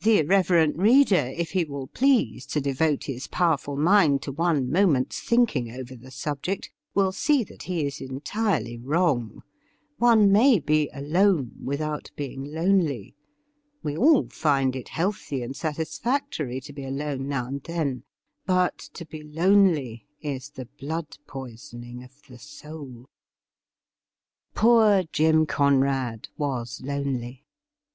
The irreverent reader, if he will please to devote his powerful mind to one moment's thinking over the subject, will see that he is entirely wrong. One may be alone without being lonely. We all find it healthy and satisfactory to be alone now and then ; but to be lonely is the blood poisoning of the soul. Poor Jim Conrad was lonely.